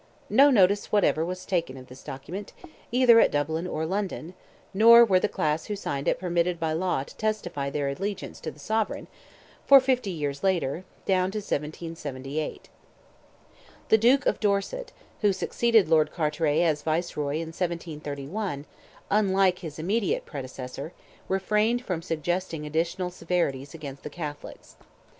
No notice whatever was taken of this document, either at Dublin or London, nor were the class who signed it permitted by law to "testify their allegiance" to the sovereign, for fifty years later—down to 1778. The Duke of Dorset, who succeeded Lord Carteret as Viceroy in 1731, unlike his immediate predecessor, refrained from suggesting additional severities against the Catholics.